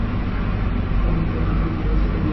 শ্রান্তি ও অবসাদে আজ বিহারীকে পরাস্ত করিল।